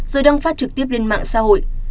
rồi đăng phát trực tiếp lên mạng xã hội